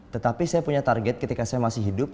tetapi saya punya target ketika saya masih hidup